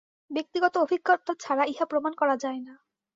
ব্যক্তিগত অভিজ্ঞতা ছাড়া ইহা প্রমাণ করা যায় না।